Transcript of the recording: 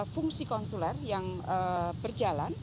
fungsi konsuler yang berjalan